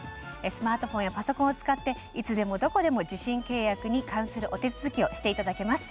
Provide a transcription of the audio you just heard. スマートフォンやパソコンを使っていつでもどこでも受信契約に関するお手続きをしていただけます。